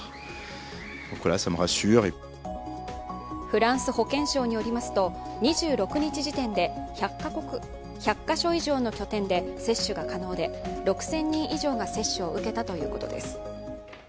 フランス保健省によりますと２６日時点で１００カ所以上の拠点で接種が可能で６０００人以上が接種を受けたということです。